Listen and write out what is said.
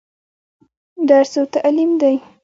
درس او تعليم دى.